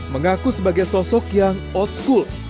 mengaku sebagai sosok yang out school